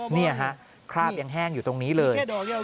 นี่ฮะคราบยังแห้งอยู่ตรงนี้เลย